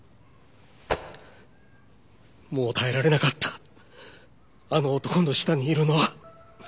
もう耐えられなかったあの男の下にいるのは。